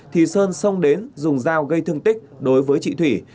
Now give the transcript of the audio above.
thì sơn xông đến dùng dao gây thương tích đối với chị thủy